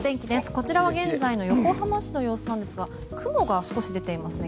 こちらは現在の横浜市の様子なんですが雲が少し出ていますね。